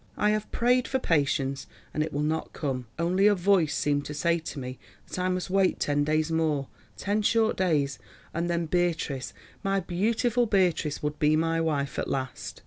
I have prayed for patience and it will not come, only a Voice seemed to say to me that I must wait ten days more, ten short days, and then Beatrice, my beautiful Beatrice, would be my wife at last."